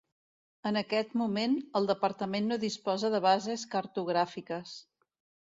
En aquest moment el Departament no disposa de bases cartogràfiques.